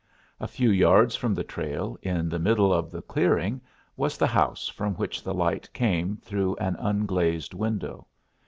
A few yards from the trail, in the middle of the "clearing," was the house from which the light came, through an unglazed window.